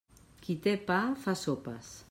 Qui té pa, fa sopes.